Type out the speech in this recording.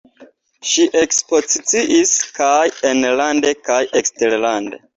Ŝi ekspoziciis kaj enlande kaj eksterlande.